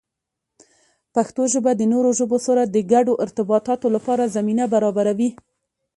پښتو ژبه د نورو ژبو سره د ګډو ارتباطاتو لپاره زمینه برابروي.